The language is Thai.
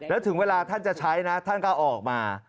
แล้วถึงเวลาท่านจะใช้นะท่านก็ออกมา